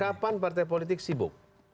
kapan partai politik sibuk